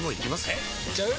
えいっちゃう？